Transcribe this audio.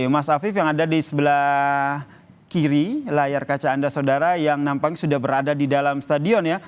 mas afif yang ada di sebelah kiri layar kaca anda saudara yang nampaknya sudah berada di dalam stadion ya